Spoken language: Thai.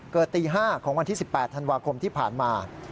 ตี๕ของวันที่๑๘ธันวาคมที่ผ่านมา